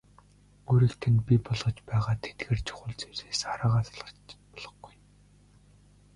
Өөрийг тань бий болгож байгаа тэдгээр чухал зүйлсээс хараагаа салгаж болохгүй.